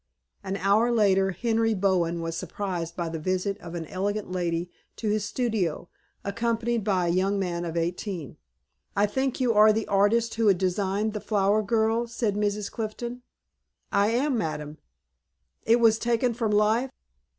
An hour later, Henry Bowen was surprised by the visit of an elegant lady to his studio, accompanied by a young man of eighteen. "I think you are the artist who designed 'The Flower Girl,'" said Mrs. Clifton. "I am, madam." "It was taken from life?"